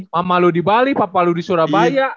mama lu di bali papa lu di surabaya